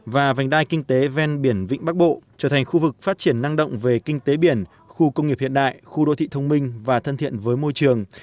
vành đai kinh tế ven biển vĩnh bắc bộ trở thành khu vực phát triển năng động về kinh tế biển khu công nghiệp hiện đại khu đô thị thông minh và thân thiện với môi trường